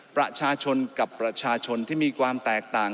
ประชาชนกับประชาชนที่มีความแตกต่าง